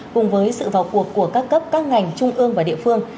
cùng với sự vào cuộc của các cấp các ngành trung ương và địa phương